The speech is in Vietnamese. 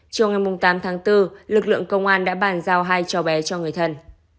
trong ngày tám tháng bốn lực lượng công an đã bàn giao hai cháu bé cho người thân